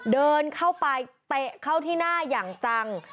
เดินเข้าไปเตะเข้าที่หน้าอย่างจัง